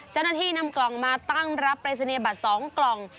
เจ้าหน้าที่นำกล่องมาตั้งรับปรายศนียบัตร๒กล่อง